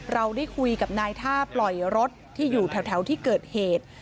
เราได้คุยกับนายท่าปล่อยรถที่อยู่แถวที่เกิดเหตุ